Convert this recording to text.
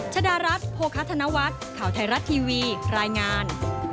ชดารัฐโภคธนวัฒน์ข่าวไทยรัฐทีวีรายงาน